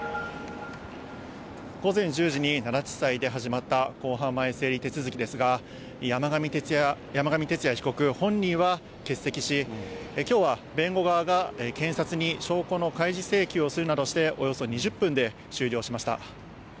午前１０時に奈良地裁で始まった公判前整理手続きですが、山上徹也被告本人は欠席し、きょうは弁護側が検察に証拠の開示請求をするなどして、およそ２０分で終了しました。